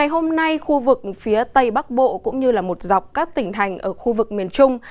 hôm nay khu vực phía tây bắc bộ cũng như một dọc các tỉnh thành ở khu vực miền trung